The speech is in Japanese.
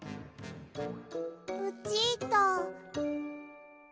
ルチータ。